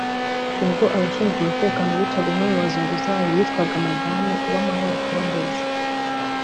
ubwo abashinzwe umutekano bicaga umwe mu bazunguzayi witwaga Madame Uwamahoro Théodosie